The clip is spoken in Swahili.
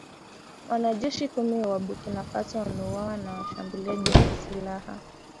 Wanajeshi kumi wa Burkina Faso wameuawa na washambuliaji wenye silaha